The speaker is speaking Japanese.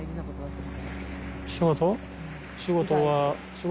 仕事？